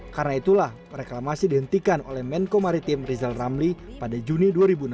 karena itulah reklamasi dihentikan oleh menko maritim rizal ramli pada juni dua ribu enam belas